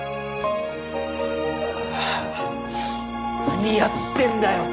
何やってんだよ！